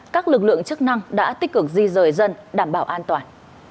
các lực lượng chức năng đã tích cực di rời dân đảm bảo an toàn